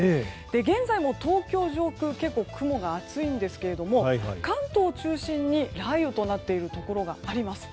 現在も東京上空結構雲が厚いんですが関東を中心に雷雨となっているところがあります。